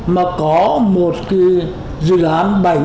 mà có một dự án